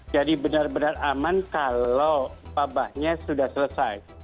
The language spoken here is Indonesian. jadi benar benar aman kalau pabahnya sudah selesai